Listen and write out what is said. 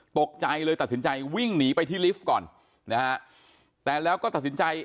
ตกใจเลยตัดสินใจวิ่งหนีไปที่ลิฟต์ก่อนนะฮะแต่แล้วก็ตัดสินใจ